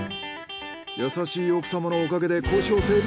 優しい奥様のおかげで交渉成立。